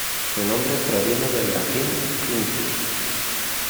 Su nombre proviene del latín "quintus".